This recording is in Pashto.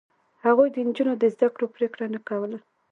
هغوی د نجونو د زده کړو پرېکړه نه کوله.